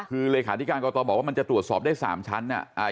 คือเลขาธิการกรกตบอกว่ามันจะตรวจสอบได้๓ชั้น